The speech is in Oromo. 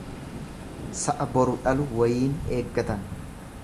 Sa'a bor dhalu wayiin eeggatan.